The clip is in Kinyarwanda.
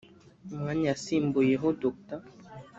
umwanya yasimbuyeho Dr